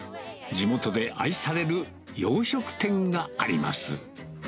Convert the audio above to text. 地元で愛される洋食店があります。